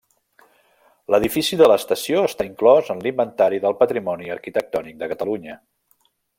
L'edifici de l'estació està inclòs en l'Inventari del Patrimoni Arquitectònic de Catalunya.